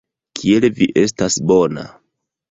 Kiel vi estas bona.